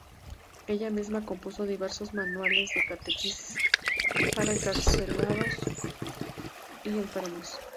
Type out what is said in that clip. Ella misma compuso diversos manuales de catequesis para encarcelados y enfermos.